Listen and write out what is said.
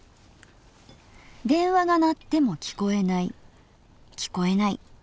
電話が鳴ってもきこえないきこえない。